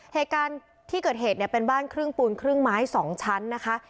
เหตุการณ์ที่เกิดเหตุเนี่ยเป็นบ้านครึ่งปูนครึ่งไม้๒ชั้นนะคะ